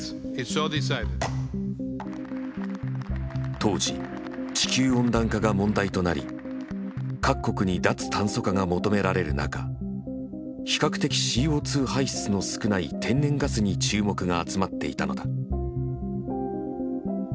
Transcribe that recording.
当時地球温暖化が問題となり各国に脱炭素化が求められる中比較的ＣＯ排出の少ない天然ガスに注目が集まっていたのだ。